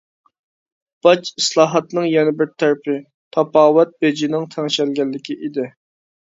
باج ئىسلاھاتىنىڭ يەنە بىر تەرىپى تاپاۋەت بېجىنىڭ تەڭشەلگەنلىكى ئىدى.